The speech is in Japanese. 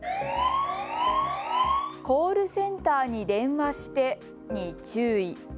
コールセンターに電話してに注意。